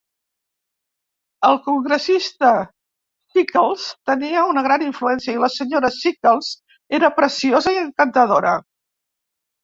El congressista Sickles tenia una gran influència i la senyora Sickles era preciosa i encantadora.